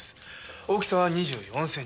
大きさは２４センチ。